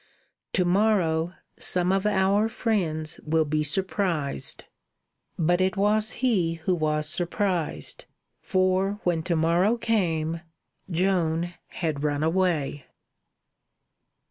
"To morrow, some of our friends will be surprised." But it was he who was surprised; for, when to morrow came, Joan had run away.